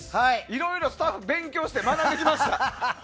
いろいろスタッフは勉強して学んできました。